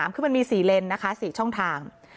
คือมันมี๔เลนนะคะ๔ช่องทาง